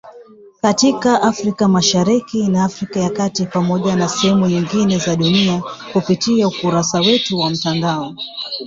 katika Afrika Mashariki na Afrika ya kati Pamoja na sehemu nyingine za dunia kupitia ukurasa wetu wa mtandao.